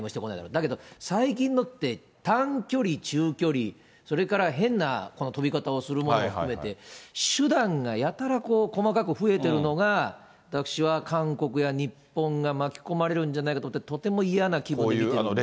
だけど、最近のって短距離、中距離、それから変な飛び方をするものも含めて、手段がやたら細かく増えてるのが、私は韓国や日本が巻き込まれるんじゃないかと思って、とても嫌な気分で見てますね。